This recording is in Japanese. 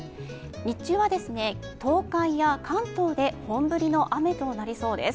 日中は東海や関東で本降りの雨となりそうです。